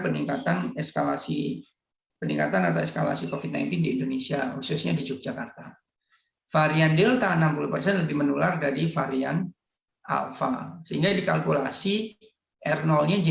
delta termasuk salah satu faktor yang menyebabkan virus corona